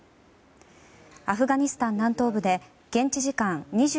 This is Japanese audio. アフガニスタン南東部で現地時間２２日